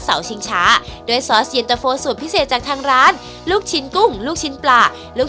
ชิงช้าด้วยซอสเย็นตะโฟสูตรพิเศษจากทางร้านลูกชิ้นกุ้งลูกชิ้นปลาลูก